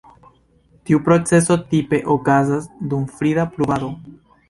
Tiu proceso tipe okazas dum frida pluvado.